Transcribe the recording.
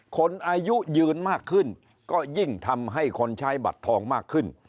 คนอายุยืนมากขึ้นก็ยิ่งทำให้คนใช้บัตรทองมากขึ้น